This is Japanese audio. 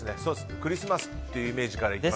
クリスマスというイメージから。